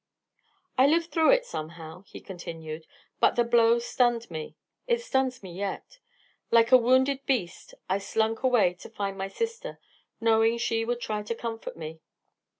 "I lived through it somehow," he continued; "but the blow stunned me. It stuns me yet. Like a wounded beast I slunk away to find my sister, knowing she would try to comfort me.